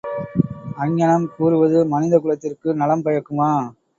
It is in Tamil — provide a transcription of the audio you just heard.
அங்ஙணம் கூறுவது மனித குலத்திற்கு நலம்பயக்குமா?